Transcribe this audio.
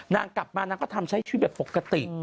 นางกลับมานางก็ทำใช้ชีวิตแบบปกติ